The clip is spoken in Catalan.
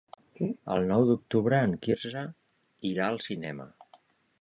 El nou d'octubre en Quirze irà al cinema.